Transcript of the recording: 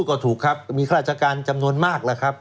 ก็ถูกครับมีฆาตราชการจำนวนมาก